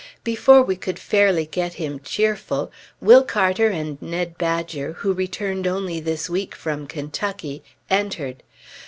Before we could fairly get him cheerful, Will Carter and Ned Badger, who returned only this week from Kentucky, entered.